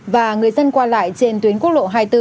và người dân qua lại trên tuyến quốc lộ hai mươi bốn